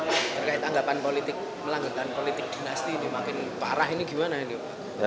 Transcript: terkait anggapan politik melanggetan politik dinasti ini makin parah ini gimana ini pak